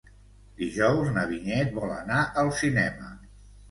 Dijous na Vinyet vol anar al cinema.